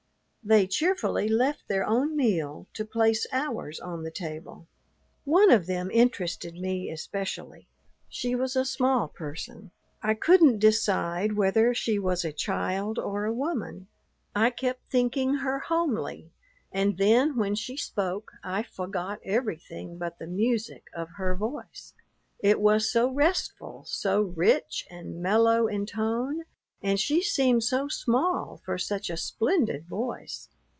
They cheerfully left their own meal to place ours on the table. One of them interested me especially. She was a small person; I couldn't decide whether she was a child or a woman. I kept thinking her homely, and then when she spoke I forgot everything but the music of her voice, it was so restful, so rich and mellow in tone, and she seemed so small for such a splendid voice.